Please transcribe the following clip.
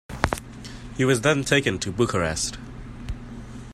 He was then taken to Bucharest.